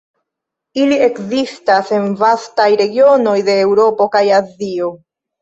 Ili ekzistas en vastaj regionoj de Eŭropo kaj Azio.